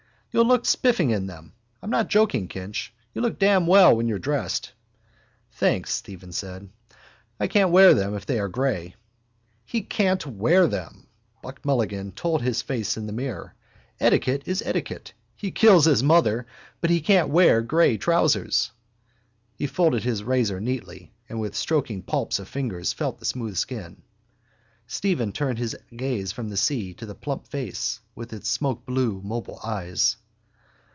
You'll look spiffing in them. I'm not joking, Kinch. You look damn well when you're dressed. —Thanks, Stephen said. I can't wear them if they are grey. —He can't wear them, Buck Mulligan told his face in the mirror. Etiquette is etiquette. He kills his mother but he can't wear grey trousers. He folded his razor neatly and with stroking palps of fingers felt the smooth skin. Stephen turned his gaze from the sea and to the plump face with its smokeblue mobile eyes.